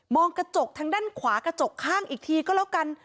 กระจกทางด้านขวากระจกข้างอีกทีก็แล้วกัน